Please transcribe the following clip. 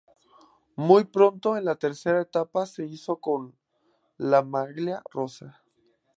Muy pronto, en la tercera etapa, se hizo con la maglia rosa.